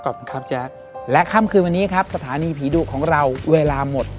ก่อนนะครับแจ๊คและค่ำคืนวันนี้ครับสถานีผีดุของเราเวลาหมด